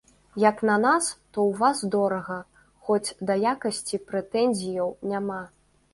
Як на нас, то ў вас дорага, хоць да якасці прэтэнзіяў няма.